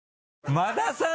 馬田さん